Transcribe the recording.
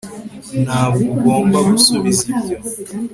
ntabwo ugomba gusubiza ibyo